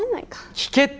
聞けって。